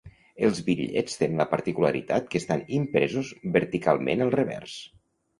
Els bitllets tenen la particularitat que estan impresos verticalment al revers.